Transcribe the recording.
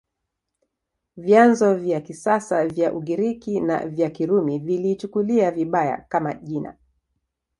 Vyanzo vya kisasa vya Ugiriki na vya Kirumi viliichukulia vibaya, kama jina.